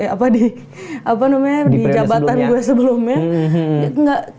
apa namanya di jabatan gue sebelumnya